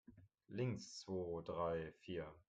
Links, zwo, drei, vier!